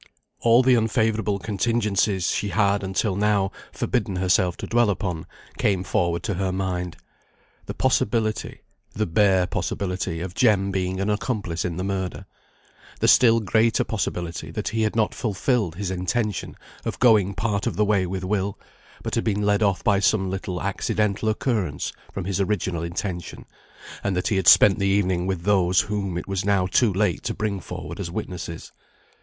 All the unfavourable contingencies she had, until now, forbidden herself to dwell upon, came forward to her mind. The possibility, the bare possibility, of Jem being an accomplice in the murder; the still greater possibility that he had not fulfilled his intention of going part of the way with Will, but had been led off by some little accidental occurrence from his original intention; and that he had spent the evening with those, whom it was now too late to bring forward as witnesses.